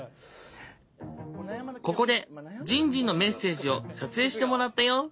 ここでじんじんのメッセージを撮影してもらったよ！